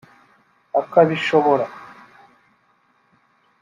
’ akabishobora